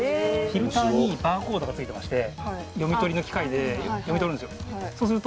フィルターにバーコードがついてまして読み取りの機械で読み取るんですよ